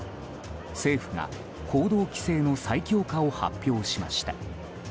政府が行動規制の再強化を発表しました。